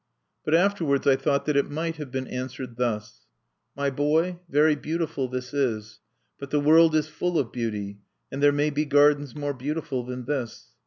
But afterwards I thought that it might have been answered thus: "My boy, very beautiful this is. But the world is full of beauty; and there may be gardens more beautiful than this.